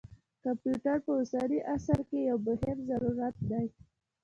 کمپیوټر په اوسني عصر کې یو مهم ضرورت دی.